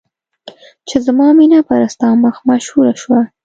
چې زما مینه پر ستا مخ مشهوره شوه.